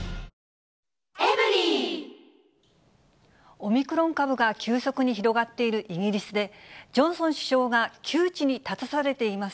オミクロン株が急速に広がっているイギリスで、ジョンソン首相が窮地に立たされています。